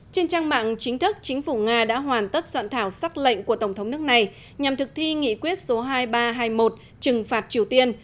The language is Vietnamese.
trên trang mạng chính thức chính phủ nga đã hoàn tất soạn thảo sắc lệnh của tổng thống nước này nhằm thực thi nghị quyết số hai nghìn ba trăm hai mươi một trừng phạt triều tiên